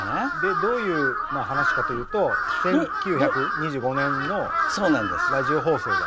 どういう話かというと１９２５年のラジオ放送が。